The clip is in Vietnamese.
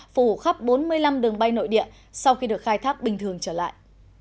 phủ khắp bốn mươi năm đường bay nội địa sau khi được khai thác bình thường trở lại